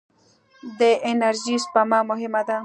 د انرژۍ سپما مهمه ده.